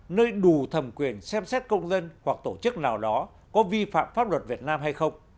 nơi đủ thẩm quyền xem xét công dân hoặc tổ chức nào đó có vi phạm pháp luật việt nam hay không